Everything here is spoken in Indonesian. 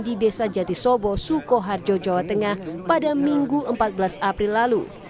di desa jatisobo sukoharjo jawa tengah pada minggu empat belas april lalu